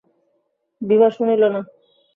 বিভা শুনিল না।